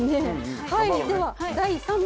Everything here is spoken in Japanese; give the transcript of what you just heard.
はいでは第３問！